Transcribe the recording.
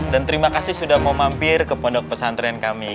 dan terima kasih sudah memampir ke pondok pesantren kami